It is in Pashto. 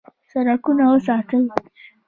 سړکونه وساتئ